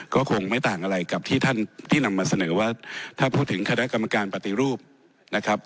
ก็คงไม่ต่างอะไรกับที่ท่านที่นำมาเสนอว่าถ้าพูดถึงคณะกรรมการปฏิรูปนะครับ